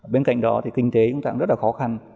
bên cạnh đó thì kinh tế cũng rất là khó khăn